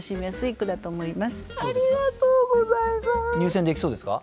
入選できそうですか？